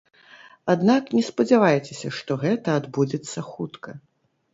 Аднак не спадзявайцеся, што гэта адбудзецца хутка.